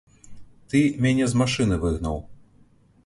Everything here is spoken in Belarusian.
Ты мяне з машыны выгнаў!